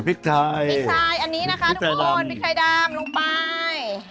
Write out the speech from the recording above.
พริกไทยอันนี้นะคะทุกคนพริกไทยดำลงไป